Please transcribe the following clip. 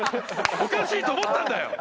おかしいと思ったんだよ。